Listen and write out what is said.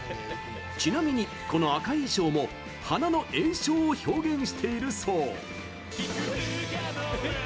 ちなみに、この赤い衣装も鼻の炎症を表現しているそう。